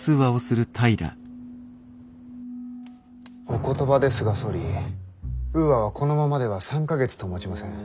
お言葉ですが総理ウーアはこのままでは３か月ともちません。